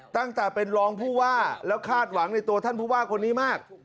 ตั้งแต่เป็นรองผู้ว่าแล้วคาดหวังในตัวท่านผู้ว่าคนนี้มาก